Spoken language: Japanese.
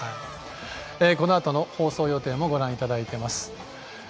このあとの放送予定もご覧いただいています。